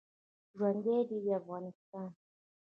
ژوندی دې وي افغانستان.